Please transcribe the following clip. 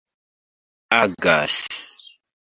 agas